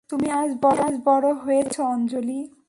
তুমি আজ বড় হয়েছো, অঞ্জলি।